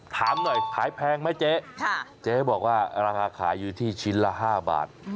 ถามหน่อยขายแพงไหมเจ๊เจ๊บอกว่าราคาขายอยู่ที่ชิ้นละ๕บาท